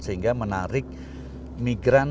sehingga menarik migran